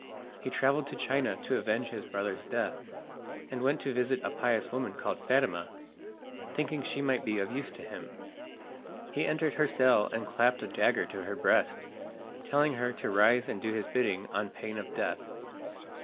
He travelled to China to avenge his brother's death, and went to visit a pious woman called Fatima, thinking she might be of use to him. He entered her cell and clapped a dagger to her breast, telling her to rise and do his bidding on pain of death.